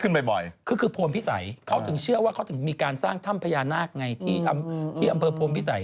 บ่อยคือคือโพนพิสัยเขาถึงเชื่อว่าเขาถึงมีการสร้างถ้ำพญานาคไงที่อำเภอโพนพิสัย